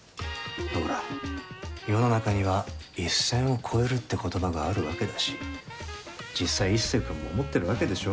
ほら世の中には一線を越えるって言葉があるわけだし実際壱成君も思ってるわけでしょ？